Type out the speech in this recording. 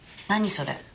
それ。